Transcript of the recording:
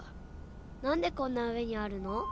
なんでこんなうえにあるの？